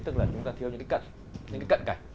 tức là chúng ta thiếu những cái cận cảnh